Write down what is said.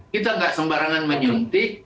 kita nggak sembarangan menyuntik